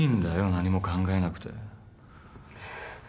何も考えなくて。